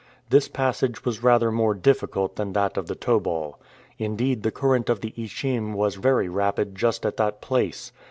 This passage was rather more difficult than that of the Tobol. Indeed the current of the Ichim was very rapid just at that place.